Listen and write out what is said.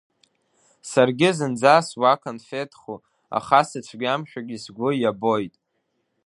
Саргьы зынӡа суаканфеҭху, аха сыцәгьамшәагьы сгәы иабоит.